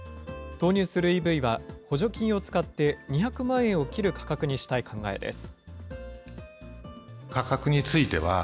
投入するＥＶは、補助金を使って２００万円を切る価格にしたい考えです。